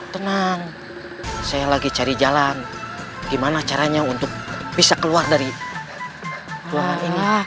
tenang saya lagi cari jalan gimana caranya untuk bisa keluar dari tuhan ini